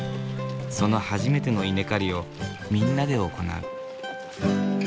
その初めての稲刈りをみんなで行う。